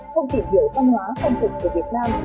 không tìm hiểu văn hóa khâm phục của việt nam